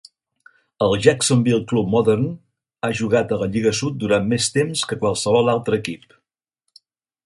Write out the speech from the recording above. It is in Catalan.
El Jacksonville Club modern ha jugat a la Lliga Sud durant més temps que qualsevol altre equip.